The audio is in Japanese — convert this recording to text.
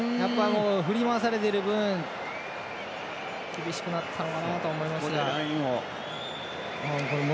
振り回されている分厳しくなったと思います。